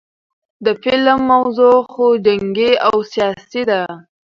د فلم موضوع خو جنګي او سياسي ده